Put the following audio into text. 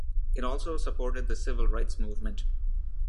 It also supported the civil rights movement.